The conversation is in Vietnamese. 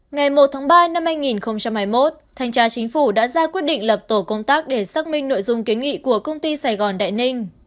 ngày một tháng ba năm hai nghìn hai mươi một thanh tra chính phủ đã ra quyết định lập tổ công tác để xác minh nội dung kiến nghị của công ty sài gòn đại ninh